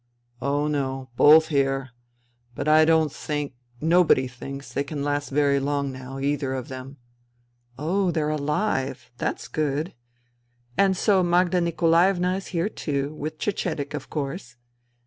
" Oh no, both here. But I don't think — nobody thinks — they can last very long now, either of them." " Oh, they're alive. That's good. ... And so Magda Nikolaevna is here too — with Cecedek, of course."